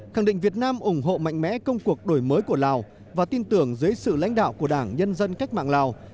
khẳng định việt nam ủng hộ mạnh mẽ công cuộc đổi mới của lào và tin tưởng dưới sự lãnh đạo của đảng nhân dân cách mạng lào